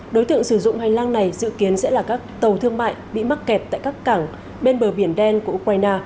đối tượng sử dụng hành lang này dự kiến sẽ là các tàu thương mại bị mắc kẹt tại các cảng bên bờ biển đen của ukraine